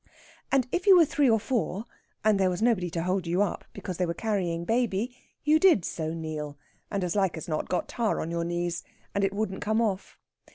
And if you were three or four, and there was nobody to hold you up (because they were carrying baby), you did so kneel, and as like as not got tar on your knees, and it wouldn't come off.